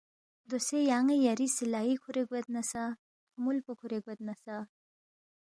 دوسے یان٘ی یری سِلائی کُھورے گوید نہ سہ، خمُول پو کُھورے گوید نہ سہ